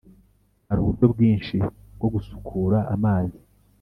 hari uburyo bwinshi bwo gusukura amazi.